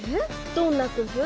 どんな工夫？